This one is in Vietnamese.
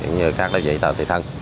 như các đối diện tờ thị thân